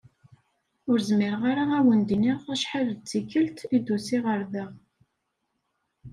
Ur zmireɣ ara ad wen-d-iniɣ acḥal d tikelt i d-usiɣ da.